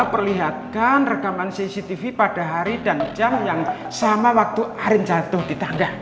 perlihatkan rekaman cctv pada hari dan jam yang sama waktu arin jatuh di tanda